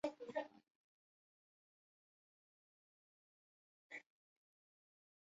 粗体数据代表从激发函数算出的最大值。